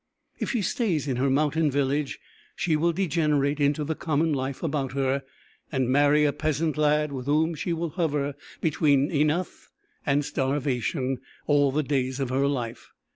If she stays in her mountain village she will degenerate into the common life about her, and marry a peasant lad with whom she will hover between enough and starvation, all the days of her life.